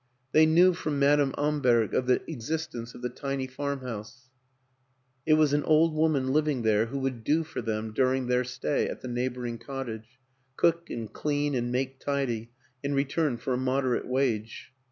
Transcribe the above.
They 46 WILLIAM AN ENGLISHMAN knew from Madame Amberg of the existence of the tiny farmhouse; it was an old woman living there who would " do " for them during their stay at the neighboring cottage cook and clean and make tidy in return for a moderate wage.